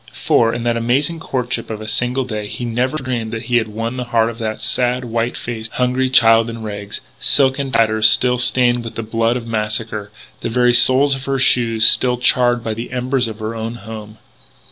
For, in that amazing courtship of a single day, he never dreamed that he had won the heart of that sad, white faced, hungry child in rags silken tatters still stained with the blood of massacre, the very soles of her shoes still charred by the embers of her own home.